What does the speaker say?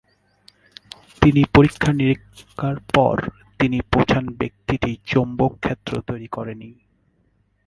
তিনি পরীক্ষা-নিরীক্ষার পর তিনি পৌঁছান ব্যক্তিটি চৌম্বক ক্ষেত্র তৈরি করেনি।